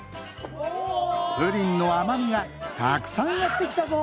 プリンのあまみがたくさんやってきたぞ！